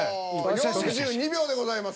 ４２秒でございます。